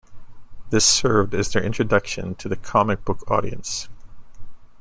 This served as their introduction to the comic book audience.